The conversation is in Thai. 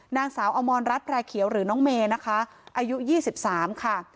นางสาวอมรรัฐแพร่เขียวหรือน้องเมย์นะคะอายุ๒๓ค่ะ